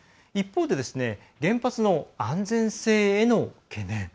一方で、原発の安全性への懸念。